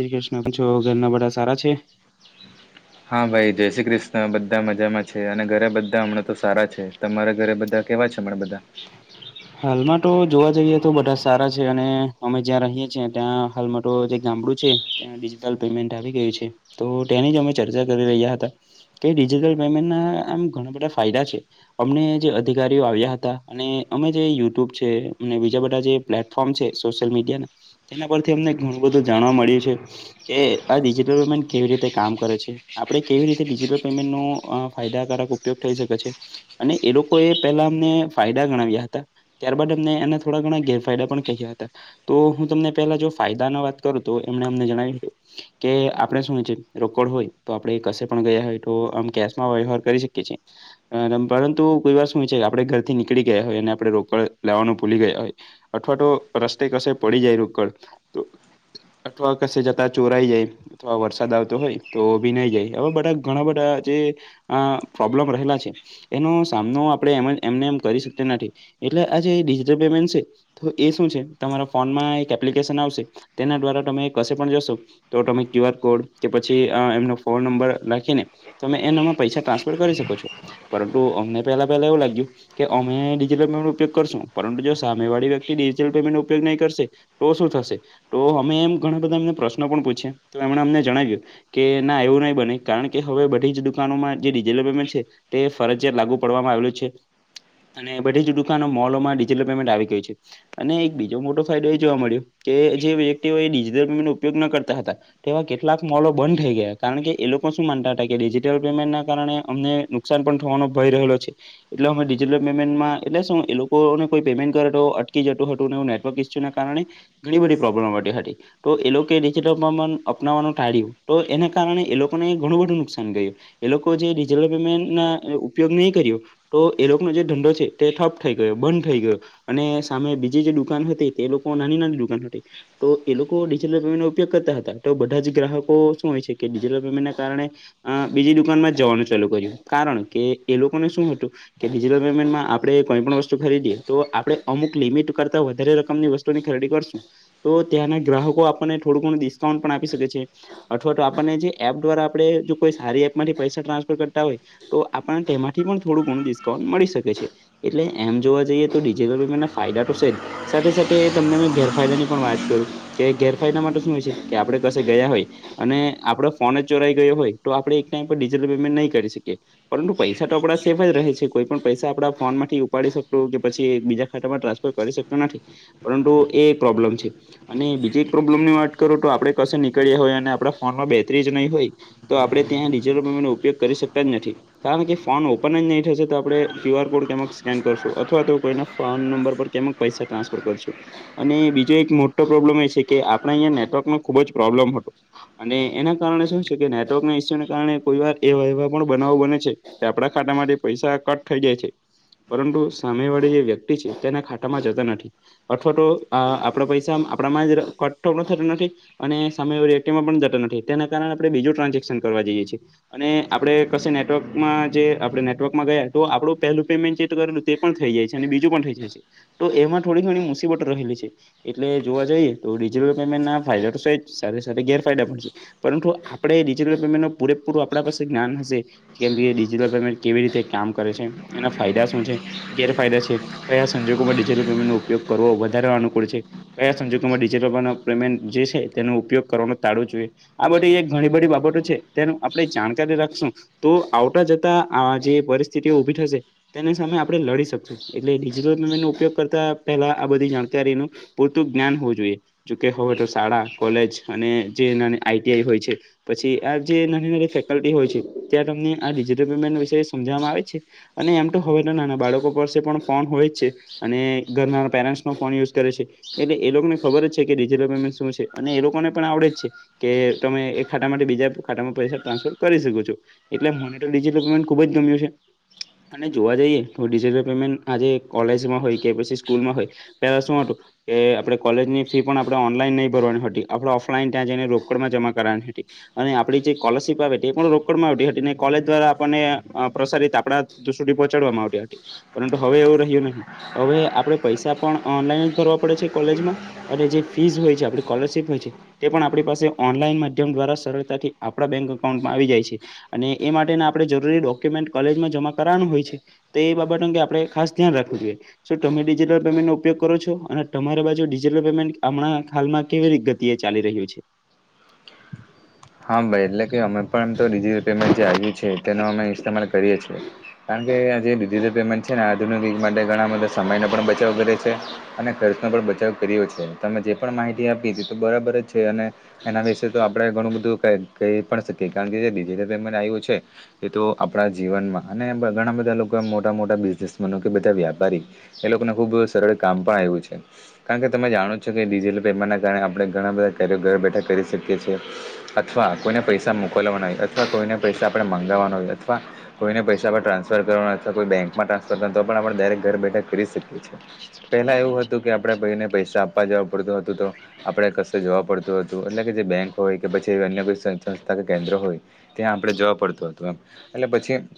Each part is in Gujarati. જે શ્રી કૃષ્ણ કેમ છો, ઘરના બધા સારા છે? હા, ભાઈ જય શ્રી કૃષ્ણ બધા મજામાં છે, અને ઘરે બધા હમણાં તો સારા છે, તમારા ઘરે બધા કેવા છે હમણાં બધા હાલમાં તો જોવા જઈએ તો બધા સારા છે, અને અમે જ્યાં રહીએ છીએ, ત્યાં હાલમાં તો જે ગામડું છે. ત્યાં ડિજિટલ પેમેન્ટ આવી ગયા છે તો તેની જ અમે ચર્ચા કરી રહ્યા હતા. કે ડિજિટલ પેમેન્ટના આમ ઘણા બધા ફાયદા છે. અમને જે અધિકારીઓ આવ્યા હતા, અને અમે જે યુટ્યુબ છે, અને બીજા બધા જે પ્લેટફોર્મ છે, સોશિયલમીડિયાને તેના પરથી અમને ઘણું બધું જાણવા મળ્યું છે, કે આ ડિજિટલ પેમેન્ટ કેવી રીતે કામ કરે છે, આપડે કેવી રીતે ડિજિટલ પેમેન્ટ ફાયદાકારક. ઉપયોગ થઈ શકે છે, અને એ લોકો એ પેલા અમને ફાયદા ગણાવ્યા ત્યારબાદ એમને એના થોડા ઘણા ગેરફાયદા પણ કહ્યા હતાં, તોહું તમને પેલા જો ફાયદાના વાત કરું તો એમને અમને જણાવ્યું તેમ કે આપણે શું છે, રોકડ હોય તો આપણેે કશે પણ ગયા હોય તો આમ કેશમાં વ્યવહાર કરી શકીએ, એ પરંતુ કોઈવાર શું છે, કે આપણેે ઘરથી નીકળી ગયા હોય. અને આપણે રોકડ લેવાનું ભૂલી ગયા હોય અથવા તો રસ્તે કશે પડી જાય રોકડ. અઠવા કશે જતા ચોરાઈ જાય, અથવા, વરસાદ આવતો હોય તો ભીંજાય જાય હવે બધા ઘણા બધા જે, આ પ્રોબ્લમ રહેલા છે, એનો સામનો આપણે એ એમને એમ કરી શકતા નથી. એટલે આજે ડિજિટલ પેમેન્ટ છે. તોએ શું છે, તમારા ફોનમાં એક એપ્લિકેશન આવશે તેના દ્વારા તમે કશે પણ જશો. તો તમે ક્યુ આર કોડ કે પછી એમનો ફોન નંબર નાખીને, તમે એનામાં પૈસા ટ્રાન્સફર કરી શકો છો, પરંતુ અમને પેલા પહેલા એવું લાગ્યું કે અમે ડિજિટલ ઉપયોગ કરશું પરંતુ જો સામે વાળી વ્યક્તિ ડિજટલ પેમેન્ટ ઉપયોગ નહીં કરશે તોશું થશે, તો અમે એમ ઘણા બધા એમને પ્રશ્નો પણ પૂછી તો એમણે અમને જણાવ્યું, કેના એવું નહીં બને કારણ કે હવે બધી જ દુકાનોમાં જે ડીજેલેમેન્ટ છે, તે ફરજિયાત લાગુ પડવામાં આવેલું છે, અને બધી જવું. દુકાનો, મોલમાં ડિજટલ પેમેન્ટ આવી ગયું છે. અને એક બીજો મોટો ફાયદોએ જોવા મળ્યો કે જે વ્યક્તી ઓ ડિજિટલ પેમેન્ટ નો ઉપયોગના કરતા હતાં. તેવા કેટલાક મોલો બંધ થઈ ગયા, કારણ કે એ લોકો શું માનતા હતા કે ડિજિટલ પેમેન્ટના કારણે અમને, નુકસાન પણ થવાનો ભય રહેલો છે, એટલે અમે ડિજિટલ પેમેન્ટમાં. એટલે શું એ લોકોને કોઈ પેમેન્ટ કરે તો અટકી જતું હતું ને એવું નેટવર્ક ઈસ્યુના કારણે, ઘણી બધી પ્રોબ્લેમ થતી હતી. તો એ લોકો ડિજેટલ પણ અપનાવવાનું ટાળ્યું, તો એના કારણે એ લોકોને ઘણું બધું નુકસાન ગયું. એ લોકો જે ડિજટલ પેમેન્ટ ના ઉપયોગ નહી કર્યો, તો એ લોકોનો જે ધંધો છે. તે ઠપ થઈ ગયો બંધ થઈ ગયો અને સામે બીજી જે દુકાન હતી, તે લોકો નાની નાની દુકાન હતી. તો એ લોકો ડિજિટલ પેમેન્ટો નો ઉપયોગ કરતા હતા, તો બધા જ ગ્રાહકો શું હોય છે, કે ડિજિટલ પેમેન્ટના કારણે.. અ બીજી દુકાનમાં જવાનું ચાલુ કર્યું, કારણ કે એ લોકોને શું હતું, કે ડિજિટલ પેમેન્ટમાં. આપણે કોઈ પણ વસ્તુ ખરીદીએ, તો આપણે અમુક લિમિટ કરતા વધારે રકમની વસ્તુની ખરીદી કરશું. તો ત્યાંના ગ્રાહકો આપણને થોડું ઘણું ડિસ્કાઉન્ટ પણ આપી શકે છે. અથવા તો આપણને જે એપ દ્વારા આપણે જો કોઈ સારી એપ માંથી પૈસા ટ્રાન્સફર કરતા હોય. તો આપણને તેમાંથી પણ થોડું ઘણું ડિસ્કાઉન્ટ મળી શકે છે. એટલે એમ, જોવા જઈએ તો ડિજિટલ પેમેન્ટના ફાયદા તો છે જ. સાથે સાથે એ તમને મે ગેરફાયદા ની પણ વાત કરું. કે ગેરફાયદા માટે શું હોય છે, કે આપડે કશે ગયા હોય. અને આપડો ફોન જ ચોરાઈ ગયો હોય, તો આપડે એક ટાઈમ પર ડિજિટલ પેમેન્ટ નહી કરી શકીએ. પરંતુ, પૈસા તો આપણા સેફ જ રહે છે, કોઈ પણ પૈસા આપડા ફોનમાં. ઉપાડી શકતો કે પછી, બીજા ખાતામાં ટ્રાન્સફર કરી શકતો નથી, પરંતુ એ પ્રોબ્લેમ છે. અને બીજી એક પ્રોબ્લેમ ની વાત કરું, તો આપડણે કશે નીકળ્યા હોય અને આપડા ફોનમાં બેટરી જ નહીં હોય. તો આપણે ત્યાં ડિજિટલ પેમેન્ટનો ઉપયોગ કરી શકતા જ નથી. કારણ કે ફોન ઓપન જ નહીં થશે, તો આપણે ક્યુઆર કોડ કે [inaudible] સ્કેન કરશું અથવા તો કોઈના ફોન નંબર પર કેમક પૈસા ટ્રાન્સફર કરશું. અને બીજો એક મોટો પ્રોબ્લમ એ છે, કે આપણે અહીંયા નેટવર્કનો ખુબ જ પ્રોબ્લમ હતો. અને એના કારણે શું છે, કે નેટવર્કના ઇસ્યુને કારણે કોઈ વાર એવા એવા પણ બનાવો બને છે. કે આપડા ખાતામાંથી પૈસા કટ થઇ જાય છે. પરંતુ સામેવાળી જે વ્યક્તિ છે, તેના ખાટામાં જતા નથી. અથવા તો આપણા પૈસા આપણામાં જ કટ થતો નથી. અને સામેવાળી વ્યક્તિમાં પણ જતા નથી. તેના કારણે આપણે બીજું ટ્રાન્ઝેક્સન કરવા જઈએ છી. અને આપણે કશે નેટવર્કમાં જે આપણે નેટવર્કમાં ગયા તો આપણું પહેલું પેમેન્ટ જે તો [inaudible] તે પણ થઈ જાય છે. અને બીજું પણ થઈ જાય છે. તો એમાં થોડી ઘણી મુસીબતો રહેલી છે. એટલે જોવા જઈએ, તો ડિજિટલ પેમેન્ટના ફાયદા તો સેજ સાથે સાથે ગેરફાયદા પણ છે. પરંતુ, આપણે ડિજિટલ પેમેન્ટનો પૂરેપૂરું આપણા પાસે જ્ઞાન હશે. કેમ કે ડિજિટલ પેમેન્ટ કેવી રીતે કામ કરે છે, એના ફાયદા શ શું છે, ગેરફાયદા છે. કયા સંજોગોમાં ડિજિટલ પેમેન્ટનો ઉપયોગ કરવો વધારે અનુકૂળ છે. કયા સંજોગોમાં ડિજટલ પેમેન્ટ જે છે, તેનો ઉપયોગ કરવાનો ટાળવો જોઈએ. આ બધી એક ઘણી બધી બાબતો છે, તેનું આપણે જાણકારી રાખશું. તો આવતા જતા આ જે પરિસ્થિતિઓ ઉભી થશે. તેની સામે આપણે લડી શકશું. એટલે ડિજિટલ પેમેન્ટનો ઉપયોગ કરતાં પહેલાં આ બધી જાણકારીનો પૂરતું જ્ઞાન હોવું જોઈએ. જોકે હવે તો શાળા, કોલેજ અને જે નાની આઈટીઆઈ હોય છે. પછી, આ જે નાની નાની ફેકલ્ટી હોય છે, ત્યાં તમને આ ડિજિટલ પેમેન્ટ વિશે સમજવામાં આવે છે. અને એમ, તો હવે નાના બાળકો પાસે પણ ફોન હોય જ છે. અને ઘરના પેરેન્ટ ફોન યુઝ કરે છે. એટલે એ લોકોને ખબર જ છે, કે ડિજિટલ પેમેન્ટ શું છે, અને એ લોકોને પણ આવડે જ છે. કે, તમે એક ખાતામાંથી બીજા ખાતામાં પૈસા ટ્રાન્સફર કરી શકો છો. એટલે મને તો ડિજિટલ પેમેન્ટ ખુબ જ ગમ્યું છે. અને જોવા જઈએ, તો ડિજિટલ પેમેન્ટ આજે કોલેજમાં હોય કે પછી સ્કૂલમાં હોય પેલા શું હતું કે આપણેે કોલેજની ફી પણ આપણે ઓનલાઈન નહી ભરવાની હતી, આપણે ઓફલાઈન ત્યાં જઈને રોકડમાં જમા કરવાની હતી. અને આપણી જે સ્કોલરશીપ આવે તે પણ રોકડમાં આવતી હતી ને કોલેજ દ્વારા આપણને પ્રસારિત આપણા [inaudible] સુધી પહોંચાડવામાં આવતી હતી. પરંતુ હવે એવું રહ્યું નહી. હવે આપણે પૈસા પણ ઓનલાઈન જ ભરવા પડે છે કોલેજમાં. અને જે ફીઝ હોય છે, આપણી સ્કોલરશીપ હોય છે. તે પણ આપણી પાસે ઓનલાઈન માધ્યમ દ્વારા સરળતાથી આપણા બેંક અકાઉન્ટમાં આવી જાય છે. અને એ માટેના આપણે જરૂરી ડોક્યુમેન્ટ કોલેજમાં જમા કરવાનું હોય છે. તે એ બાબત અંગે આપણે ખાસ ધ્યાન રાખવું જોઈએ. શું તમે ડિજિટલ પેમેન્ટનો ઉપયોગ કરો છો? અને તમારી બાજુ ડિજિટલ પેમેન્ટ હમણાં હાલમાં કેવી રીત ગ તીએ ચાલી રહ્યું છે? હા, ભાઈ એટલે કે અમે પણ તો ડિજટલ પેમેન્ટ જે આવ્યું છે તેનો અમે ઇસ્તેમાલ કરીએ છીએ. કારણ કે આજે ડિજિટલ પેમેન્ટ છે ને આધુનિક યુગ માટે ઘણા બધા સમયનો પણ બચાવ કરે છે. અને ખર્ચનો પણ બચાવ કર્યો છે. તમે જે પણ માહિતી આપી તે તો બરાબર જ છે અને એના વિશે તો આપણે ઘણું બધું કહી કહી પણ શકીએ. કારણ કે જે ડિજિટલ પેમેન્ટ આવ્યું છે એ તો આપણા જીવનમાં અને ઘણા બધા લોકો આમ મોટા મોટા બિઝનેસમેનો કે બધા વ્યાપારી એ લોકોને ખુબ સરળ કામ પણ આવ્યું છે. કારણ કે તમે જાણો જ છો કે ડિજિટલ પેમેન્ટના કારણે આપણે ઘણા બધા કાર્યો ઘરે બેઠા કરી શકીએ છીએ. અથવા કોઈને પૈસા મોકલવાના હોય, અથવા કોઈને પૈસા આપણે મંગાવાના હોય અથવા કોઈને પૈસા આપણે ટ્રાન્સફ કરવાના અથવા કોઈ બેંકમાં ટ્રાન્ફર કરવા તો પણ આપણે ડાયરેક્ટ ઘર બેઠા કરી શકીએ. પહેલા એવું હતું કે આપણે ભાઈને પૈસા આપા જવા પડતું હતું, તો આપણે કશે જોવા પડતું હતું એટલે કે જે બેંક હોય કે પછી અન્ય કોઈ કે કેન્દ્ર હોય, ત્યાં આપણે જવા પડતું હતું એમ એટલે પછી એમ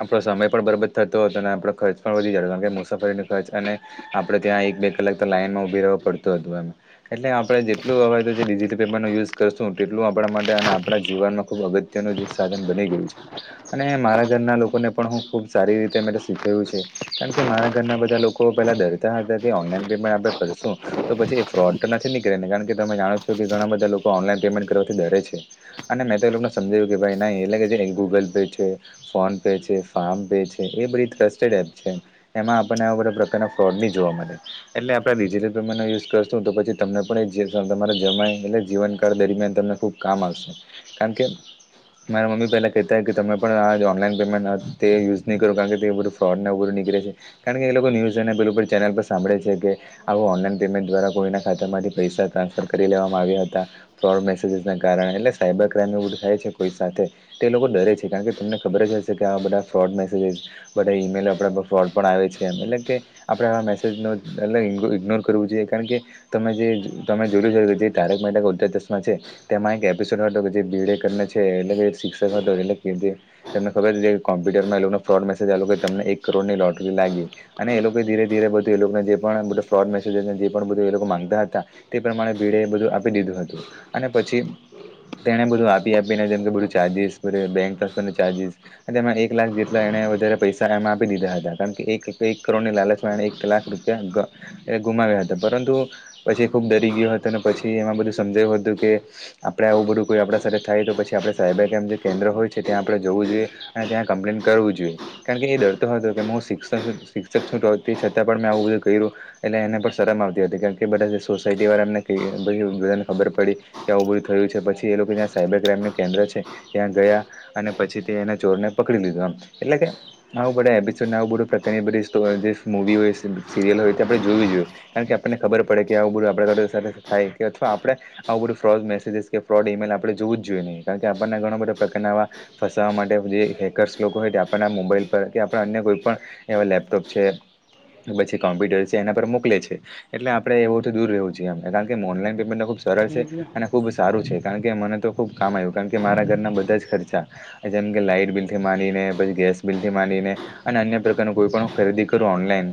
આપણો સમય પણ બરાબર થતો હતો અને આપણો ખર્ચ પણ વધી જતો કારણ કે મુસાફરીનો ખર્ચ અને આપણે ત્યાં, એક બે લાઈનમાં ઉભી રહેવું પડતું હતું એમ. એટલે આપણે જેટલું હવે તો જે ડિજિટલ પેમેન્ટો યુઝ કરશું તેટલું આપણા માટે અને આપણા જીવનમાં ખુબ અગત્યનું જે સાધન બની ગયું છે. અને મારા ઘરના લોકોને પણ હું ખૂબ સારી રીતે મે શીખવ્યું છે કારણ કે મારા ઘરના બધા લોકો પહેલા દર ત્યા કે ઓનલાઈન પેમેન્ટ આપણે કરીશું તો પછી એ ફ્રોડ તો નથી નીકળેને કારણ કે તમે જાણો છો કે ઘણા બધા લોકો ઓનલાઈન પેમેન્ટ કરવાથી ડરે છે અને મેં તો એ લોકોને સમજાવ્યું કે ભાઈ નય એટલે કે જે ગૂગલ પે છે ફોન પે છે, ફમ પે છે એ બધી ટ્રસ્ટેડ એપ છે. એમાં આપણને આ બધા પ્રકારના ફ્રોડ બીની જોવા મળે એટલે આપણે ડિજિટલ પેમેન્ટનો યુઝ કરશું તો પછી તમને પણ તમારે જમાય. એટલે જીવનકા્ળ દરમિયાન તમને ખુબ કામ આવશે કારણ કે મારા મમ્મી પહેલાં કહેતાય કે તમે પણ આ ઓનલાઈન પેમેન્ટ તે યુઝ નહીં કરો. કારણ કે તે બધું ફંડને એવુ બધુ નીકળે છે. કારણ એ લોકો ન્યૂઝ એને પેલું ઉપર ચેનલ પર સાંભળે છે કે આવું ઓનલાન પેમેન્ટ દ્વારા કોઈના ખાતામાંથી પૈસા ટ્રાન્સફર કરી લેવામાં આવ્યા હતા ફ્રોડ મે કારણે એટલે સાયબર ક્રાઈમવ થાય છે કોઈ સાથે તે લોકો ડરે છે કારણ કે તમને ખબર જ હશે, કે આ બધા ફ્રોડ મેસેજસ બધા ઈમેલ ફ્રોડ પણ આવે છે એમ કે આપણે આવા મેસેજનો ઇગ્નોર કરવો જોઈએ કારણ કે તમે જે તમે જોયું છો કે જે તારક મેહતા ઉલટા ચશમા છે તેમાં એક એપિસોડ હતો કે જે બી કરને છે એટલે શિક્ષક હતો એટલે કે જે તમને ખબર જ કે કોમ્પ્યુટરમાં એ લોકોને ફ્રોડ મેસેજ આવે કે તમને એક કરોડની લોટરી લાગી અને એ લોકોએ ધીરે ધીરે બધું એ લોકોને જે પણ બધો ફ્રોડ મેસેજને જે પણ બધું એ લોકો માંગતા હતા તે પ્રમાણે ભીડે એ બધું આપી દીધું હતું અને પછી તેને બધું આપી આપીને જેમ બધું ચાર્જિસ બેંક પાનું ચાર્જિસ અને તેમાં એક લાખ જેટલા એને વધારે પૈસા એમાં આપી દીધા હતા. કારણ કે એક, એક કરોડની લાલચમાં એ એક લાખ કૃપ્યા [unintelligible] એ ગુમાવ્યા હતા પરંતુ પછી ખૂબ ડરી ગયો હતો અને પછી એમાં બધું સમજાયું હતું કે આપણે આવું બધું કોઈ આપણા સાથે થાય તો, પછી આપણે સાહેબાઈ કેમ જે કેન્દ્ર હોય છે, ત્યાં આપણેે જવું જોઈએ અને ત્યાં કમ્પ્લેન કરવું જોઈએ. કારણ કે જે ડરતો હતો શિક્ષક શિક્ષક છૂટોતી છતાં પણ મેં આવું બધું કર્યું એને એને પણ શરમ આવતી હતી કેમ કે બધા સોસાયટી વાળા એમને બધાને ખબર પડી. ત્યા આવૂ બધૂ થયું છે પછી એ લોકો જ્યાં સાયબર ક્રાઈમ નું કેન્દ્ર છે ત્યાં ગયા અને પછી તે એના ચોરને પકડી લીધો એટલે કે આવું બધા એપિસોડ આવું બધું પ્રકારની બધી જે મૂવી હોય સિરિયલ હોય તે આપડે જોવી જોઈએ કારણ કે આપણને ખબર પડે કે આ આવું બધું આપડી સાથે થાય કે અથવા આપડે આવું બધું ફ્રોઝ મેસેજસ કે ફ્રોડ ઇમેઈલ આપડે જોવુજ જોઈએ નહીં કારણ કે આપણને ઘણા બધા પ્રકારના આવા ફસાવવા માટે જે હેકર્સ લોકો હોય તે આપણા મોબાઈલ પર કે આપણા અન્ય કોઈ પણ એવા લેપટોપ છે, પછી કમ્પ્યુટર છે એના પર મોકલે છે એટલે આપણે એ બહુ દૂર રહેવું છે. કારણ કે ઓનલાઈન પેમેન્ટ ખુબ સરળ છે ખુબ સારું છે કારણ કે મને તો ખુબ કામ આવ્યું કારણ કે મારા ઘરના બધા જ ખર્ચા જેમ કે લાઈટ બિલ થી માંડીને પછી ગેસ બિલ થી માંડીને અને અન્ય પ્રકાર ન કોઈ પણ ખરીદી કરું ઓનલાઈન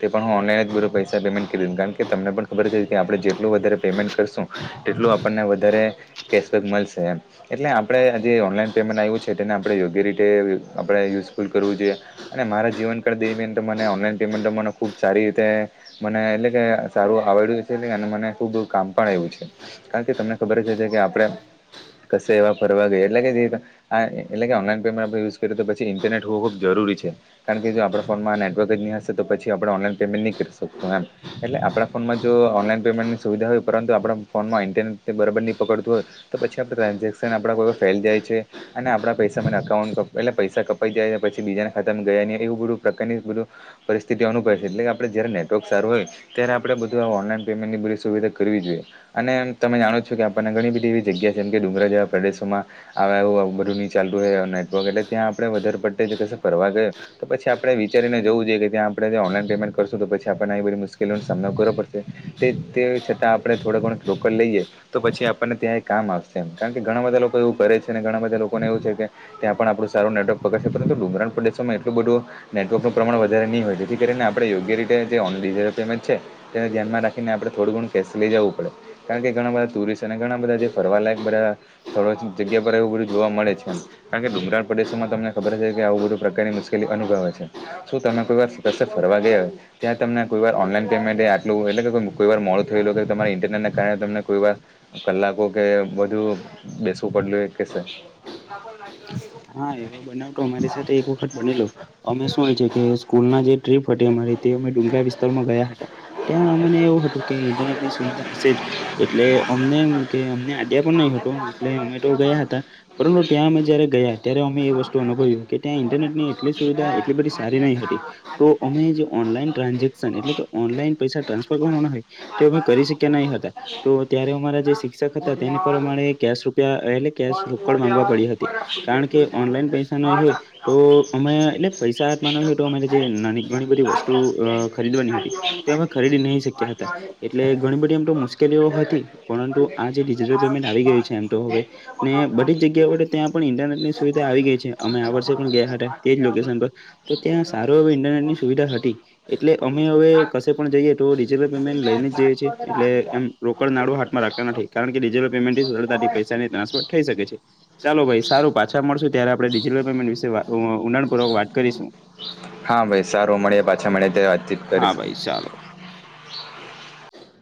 તે પણ હુ ઓનલાઈન જ ભરુ પૈસા પેમેન્ટ કરી દી કારણ કે તમને પણ ખબર કે આપણે જેટલું વધારે પેમેન્ટ કરશું. તેટલું આપણને વધારે કેશબેક મલશે એમ એટલે આપણે આ જે ઓનલાઈન પેમેન્ટ આવ્યું છે, તેને આપણે યોગ્ય રીતે આપણે યુઝફુલ કરવું જોઈએ. અને મારા જીવનકાળ દરમિયાન તો મને ઓનલાઈન પેમેન્ટ મને ખુબ સારી રીતે મને એટલે કે સારું આવડ્યું છે, અને મને ખુબ કામ પણ આવ્યું છે. કારણ તમને ખબર જ હશે કે આપડે કશે એવા ફરવા ગયા એટલે કે [unintelligible] આ એટલે કે ઓનલાઈન પેમેન્ટ આપડે યુઝ કરીયુ તો પછી ઇન્ટરનેટ હોવું ખુબ જરૂરી છે. કારણ કે જો આપડા ફોનમાં નેટવર્ક જ ની હશે તો પછી આપણે ઓનલાઈન પેમેન્ટ ની કરી શકશું એમ એટલે આપણા ફોનમાં જો ઓનલાઈન પેમેન્ટની સુવિધા હોય પરંતુ આપણા ફોનમાં ઈ તેને તે બરાબર ની પકડતું હોય તો પછી આપણા ટ્રાન્ઝેક્શન આપડા કોય વાર ફેલ જાય છે. અને આપણા પૈસા મને અકાઉન્ટ એટલે પૈસા કપાઈ ગયા પછી બીજાના એવું બધું પ્રકારની બધુ પરિસ્થિતિ અનુભય છે એટલે કે આપણે જ્યારે નેટર્ક સારું હોય ત્યારે આપડે બધું ઓનલાઈન પેયમેન્ટની બધી સુવિધા કરવી જોઈએ અને તમે જાણો છો કે આપણને ઘણી બધી એવી જગ્યા જેમકે ડુંગરા જેવા પ્રદેશોમાં આવે આવુ આવુ બધું ની ચાલતુ નેટવર્ક એટલે ત્યાં આપડે વધારે પડતે જ કશે ફરવા ગયા તો પછી આપણે વિચારીને જવું જોઈએ કે ત્યાં આપણે ઓનલાઈન પેયમેન્ટ કરશું તો પછી આપણેને આવી બધી મુશ્કેલીઓનો સામનો કરી પડશે તે તે છતાં આપડે થોડો ઘણો રોકડ લઈએ તો પછી આપણને ત્યાં એ કામ આવશે એમ કારણ કે ઘણા બધા લોકો એવું કરે છે, ઘણા બધા લોકોને એવું છે, કે ત્યાં પણ આપણું સારું નેટવર્ક પકડશે પરંતુ ડુંમગરાણ પ્રદેશોમાં એટલું બધું નેટવર્કનું પ્રમાણે વધારે ની હોય જેથી કરીને આપણે યોગ્ય રીતે જે ઓન ડીજીટલ પેમેન્ટ છે. તેને ધ્યાનમાં રાખીને આપણે થોડું ઘણું કેશ લઈ જવું પડે કારણ કે ઘણા બધા ટુરિસ્ટ અને ઘણા બધા જે ફરવાલાયક બધા સ્થળો જગ્યા પર એવું બધું જોવા મળે છે, એમ કારણ કે ડુગરાન પ્રદેશોમાં તમને ખબર હશે કે આવું બધુ પ્રકારની મુશ્કેલી અનુભવે છે. શું તમે કોઈ વાર કશે ફરવા ગયા હોય ત્યાં તમને કોઈ વાર ઓનલાઈન પેયમેન્ટ આટલું એટલે કે કોઈ વાર મોડુ થયલુ કે તમારે ઈનટ કારણે તમને કોઈ વાર કલાકો કે વધું બેસવું પડેલું કશે? હા એવા બનાવ તો અમારી સાથે એક વખત બનેલો અમે શું હોય છે, કે સ્કૂલના જે ટ્રીપ હતી અમારી તે અમે ડુંગરાણ વિસ્તારમાં ગયા હતા. ત્યાં અમને એવું હતું કે ઇન્ટરનેટની સુવિધા હશે જ એટલે અમને એમ કે અમને આડ્યા પણ નય હતો એટલે અમે તો ગયા હતા. પર ત્યાં અમે જયારે ગયા ત્યારે અમે એ અનુભવ્યું ત્યાં ઇન્ટરનેટની એટલી સુવિધા એટલી બધી સારી નઈ હતી. તો અમે જે ઓનલાઈન ટ્રાન્ઝેક્શન એટલે કે ઓનલાઈન પૈસા ટ્રાન્સફર કરવાના હોય. તે અમે કરી શક્યા નહીં હતા. તો ત્યારે અમારા જે શિક્ષક હતા તેને પર અમારે કેશ રૂપિયા એટલે કેશ રોકડ માંગવા પડી હતી. કારણ કે ઓનલાઈન પૈસા નય હોય તો અમે એટલે પૈસા હાથમા નય તો અમારી જે નાની ઘણી બધી વસ્તુ અ ખરીદવાની હતી તો અમે ખરીદી નહી શક્યા હતા એટલે બધી એમ તો મુશ્ મુકેલીઓ હતી પરંતુ આ જે ડિજિટલ પેમેન્ટ આવી ગયું છે, એમ તો હવે ને બધી જગ્યાઓ ત્યાં પણ ઇન્ટરનેટ ની સુવિધા આવી ગઈ છે, અમે આ વર્ષે પણ ગયા હતા તેજ લોકેશન પર તો ત્યાં સારો એવો ઇન્ટનેટની સુવીધા હતી. એટલે અમે અવે કશે પણ જઈએ તો ડિજટલ પેમેન્ટ લઈને જઈએ છીએ એટલે એમ રોકડ નાડું હાથમાં રાંખતા નથી કારણ કે ડિજિટલ પેમેન્ટની સરળતાથી પૈસાની ટ્રાન્ફર થઈ શકે છે, ચાલો ભાઈ સારું પા છા મળશું ત્યાંરે આપણે ડિજિટલ પેમેન્ટ વિશે વા ઉઊંડાણપૂર્વક વાત કરીશું. હા ભાઈ સારું મળીએ પાછા મળીએ ત્યારે વા હા ભાઈ ચાલો.